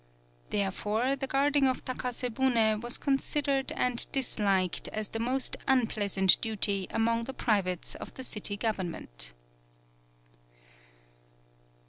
Therefore, the guarding of Takase bune was considered and disliked as the most unpleasant duty among the pri vates of the city government.